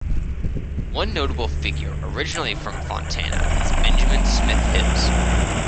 One notable figure originally from Fontana is Benjamin Smith Hibbs.